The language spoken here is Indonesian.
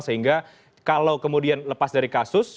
sehingga kalau kemudian lepas dari kasus